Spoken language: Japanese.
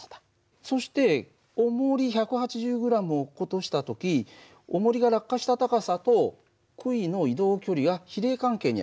そしておもり１８０ｇを落っことした時おもりが落下した高さとくいの移動距離は比例関係にある。